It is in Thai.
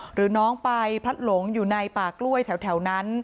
หรือน้องไปพลัดหลงอยู่ในป่ากล้วยแถวนั้น